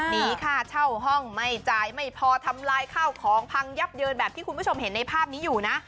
หนีค่าเช่าห้องไม่จ่ายไม่พอทำลายข้าวของพังยับเยินแบบที่คุณผู้ชมเห็นในภาพนี้อยู่นะ